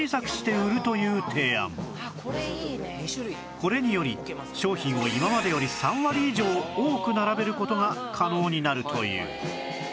これにより商品を今までより３割以上多く並べる事が可能になるという